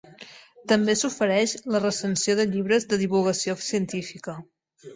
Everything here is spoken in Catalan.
També s'ofereix la recensió de llibres de divulgació científica.